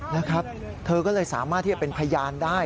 นะครับเธอก็เลยสามารถที่จะเป็นพยานได้